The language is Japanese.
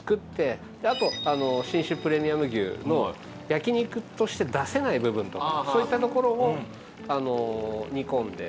あと信州プレミアム牛の焼肉として出せない部分とかそういったところを煮込んで。